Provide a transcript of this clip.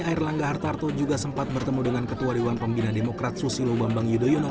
air langga hartarto juga sempat bertemu dengan ketua dewan pembina demokrat susilo bambang yudhoyono